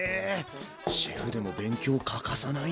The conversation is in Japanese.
シェフでも勉強欠かさないんだね。